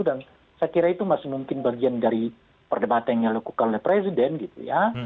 dan saya kira itu masih mungkin bagian dari perdebatan yang dilakukan oleh presiden gitu ya